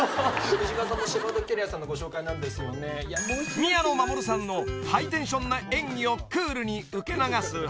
［宮野真守さんのハイテンションな演技をクールに受け流すはずが］